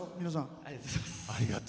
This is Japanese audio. ありがとうございます。